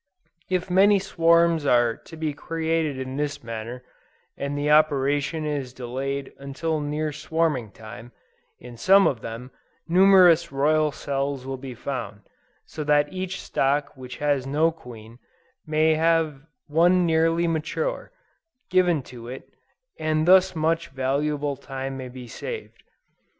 If many swarms are to be created in this manner, and the operation is delayed until near swarming time, in some of them, numerous royal cells will be found, so that each stock which has no queen, may have one nearly mature, given to it, and thus much valuable time may be saved.